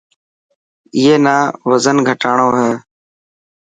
اي نا وزن گهٽاڻو هي.